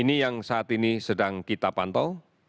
ini yang saat ini sedang kita pantau